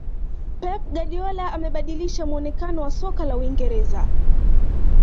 pep guardiola amebadilisha muonekano wa soka la uingereza